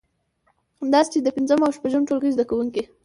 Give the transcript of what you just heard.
داسې چې د پنځم او شپږم ټولګي زده کوونکی